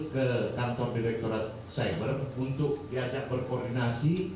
ke kantor direkturat cyber untuk diajak berkoordinasi